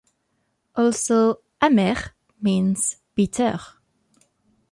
Also 'amer' means 'bitter'.